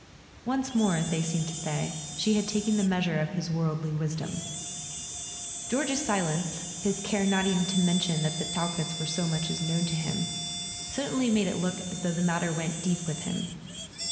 Once more, they seemed to say, she had taken the measure of his worldly wisdom. George's silence—his care not even to mention that the Talketts were so much as known to him—certainly made it look as though the matter went deep with him.